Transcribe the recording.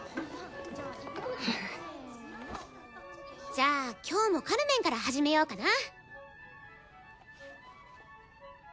じゃあ今日も「カルメン」から始めようかな。